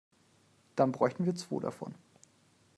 Dann bräuchten wir zwo davon.